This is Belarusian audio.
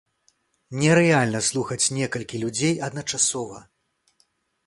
Нерэальна слухаць некалькі людзей адначасова.